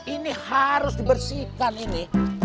ini harus dibersihkan ini